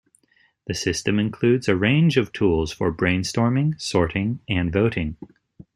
The system includes a range of tools for brainstorming, sorting and voting.